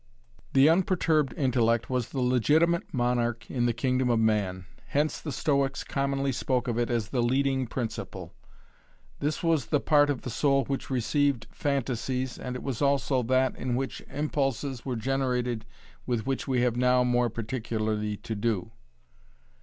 The unperturbed intellect was the legitimate monarch in the kingdom of man. Hence the Stoics commonly spoke of it as the leading principle. This was the part of the soul which received phantasies and it was also that in which impulses were generated with which we have now more particularly to do.